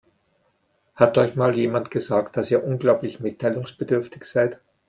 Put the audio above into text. Hat euch mal jemand gesagt, dass ihr unglaublich mitteilungsbedürftig seid?